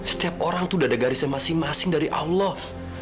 setiap orang tuh udah ada garisnya masing masing dari allah